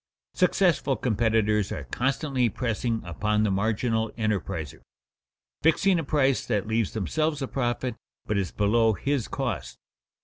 Successful competitors are constantly pressing upon the marginal enterpriser, fixing a price that leaves themselves a profit, but is below his cost.